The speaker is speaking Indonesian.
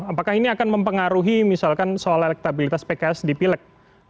apakah ini akan mempengaruhi misalkan soal elektabilitas pks di pileg